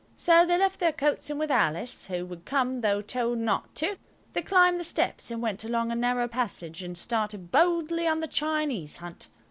So they left their coats, and, with Alice, who would come though told not to they climbed the steps, and went along a narrow passage and started boldly on the Chinese hunt.